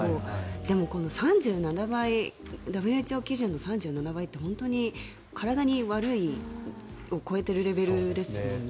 でも、ＷＨＯ基準の３７倍って本当に、体に悪いを超えているレベルですもんね。